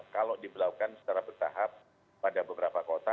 kalau diberlakukan secara bertahap pada beberapa kota